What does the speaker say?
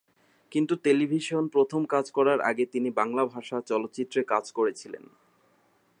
কিন্তু টেলিভিশন প্রথম কাজ করার আগে তিনি বাংলা ভাষার চলচ্চিত্রে কাজ করেছিলেন।